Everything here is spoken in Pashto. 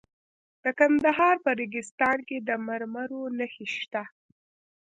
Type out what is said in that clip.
د کندهار په ریګستان کې د مرمرو نښې شته.